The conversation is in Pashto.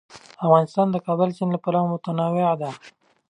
افغانستان د د کابل سیند له پلوه متنوع دی.